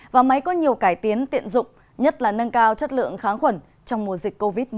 và máy có nhiều cải tiến tiện dụng nhất là nâng cao chất lượng kháng khuẩn trong mùa dịch covid một mươi chín